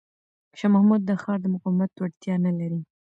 شاه محمود د ښار د مقاومت وړتیا نه لري.